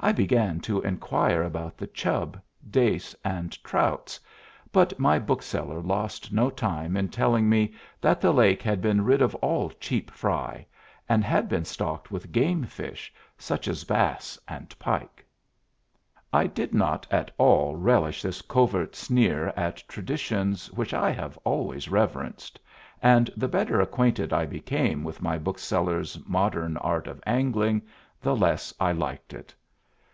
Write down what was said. I began to inquire about the chub, dace, and trouts, but my bookseller lost no time in telling me that the lake had been rid of all cheap fry, and had been stocked with game fish, such as bass and pike. I did not at all relish this covert sneer at traditions which I have always reverenced, and the better acquainted I became with my bookseller's modern art of angling the less I liked it.